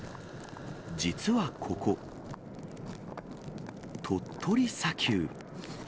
実はここ、鳥取砂丘。